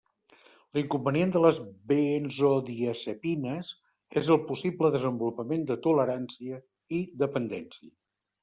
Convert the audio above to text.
L'inconvenient de les benzodiazepines és el possible desenvolupament de tolerància i dependència.